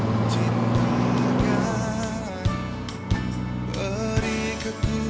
masalahnya suruh gue ngikut gitu